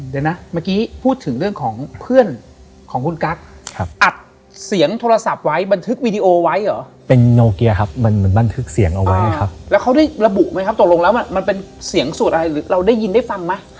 เดี๋ยวนะเมื่อกี้พูดถึงเรื่องของเพื่อนของคุณกั๊กอัดเสียงโทรศัพท์ไว้บันทึกวีดีโอไว้เหรอเป็นโนเกียร์ครับมันเหมือนบันทึกเสียงเอาไว้ครับแล้วเขาได้ระบุไหมครับตกลงแล้วมันเป็นเสียงสูตรอะไรเราได้ยินได้ฟังไหม